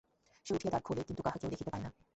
সে উঠিয়া দ্বার খোলে, কিন্তু কাহাকেও দেখিতে পায় না।